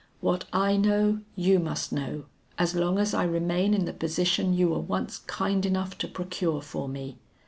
What I know, you must know, as long as I remain in the position you were once kind enough to procure for me.